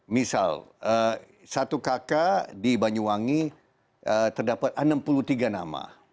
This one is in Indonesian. misal satu kakak di banyuwangi terdapat enam puluh tiga nama